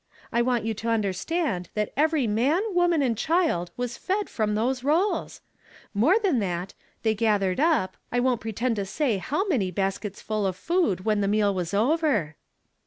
I want you to understand that eveiy man, woman, and cliild was fed from those rolls ! More than that, they gathered up. I won't pretend to say how many basketsful of food when the meal was over."